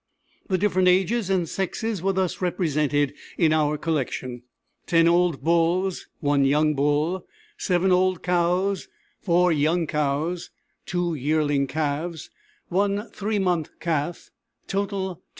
The different ages and sexes were thus represented in our collection: 10 old bulls, 1 young bull, 7 old cows, 4 young cows, 2 yearling calves, 1 three months calf; total, 25 specimens.